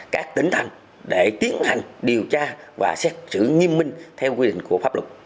các tỉnh thành để tiến hành điều tra và xét xử nghiêm minh theo quy định của pháp luật